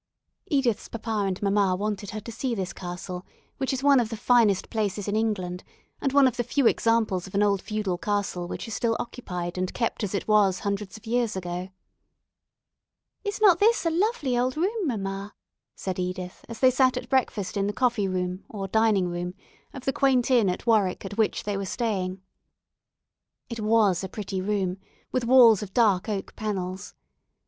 Edith's papa and mamma wanted her to see this castle, which is one of the finest places in England, and one of the few examples of an old feudal castle which is still occupied and kept as it was hundreds of years ago. "Is not this a lovely old room, mamma?" said Edith, as they sat at breakfast in the coffee room, or dining room, of the quaint inn at Warwick at which they were staying. It was a pretty room, with walls of dark oak panels.